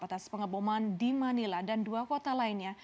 atas pengeboman di manila dan dua kota lainnya